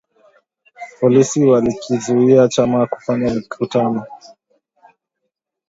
Polisi walikizuia chama kufanya mikutano